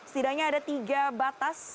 setidaknya ada tiga batas